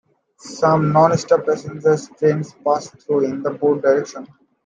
Some non-stop passenger trains pass through in both directions.